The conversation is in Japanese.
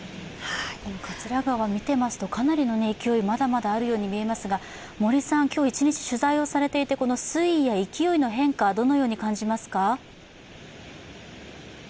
桂川を見ていますと、かなりの勢いがまだまだあるように見えますが今日１日取材をされていてこの水位や勢いの変化はどのように感じますか？